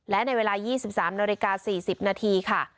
และในเวลา๒๓นาฬิกา๔๐นาทีค่ะ